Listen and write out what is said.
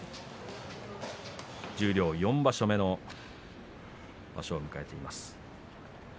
十両４場所目の場所を迎えています。